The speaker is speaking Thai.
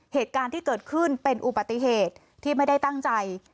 เหตุการณ์ที่เกิดขึ้นเป็นอุบัติเหตุที่ไม่ได้ตั้งใจ